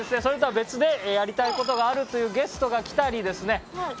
それとは別でやりたい事があるというゲストが来たりですね